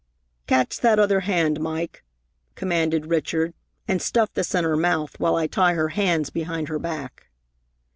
"Catch that other hand, Mike," commanded Richard, "and stuff this in her mouth, while I tie her hands behind her back."